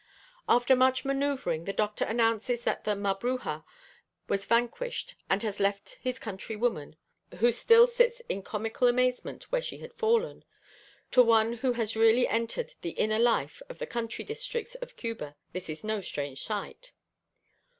After much manoeuvring, the doctor announces that the Mabruja was vanquished and has left his country woman, who still sits in comical amazement where she had fallen; to one who has really entered the inner life of the country districts of Cuba this is no strange sight.